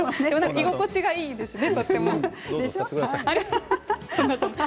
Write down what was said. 居心地がいいですね、とても。